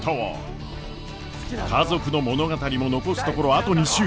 家族の物語も残すところあと２週！